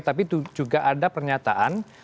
tapi juga ada pernyataan